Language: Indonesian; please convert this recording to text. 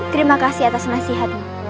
terima kasih atas nasihatmu